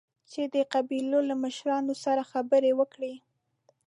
چې د قبيلو له مشرانو سره خبرې وکړي.